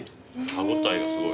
歯応えがすごい。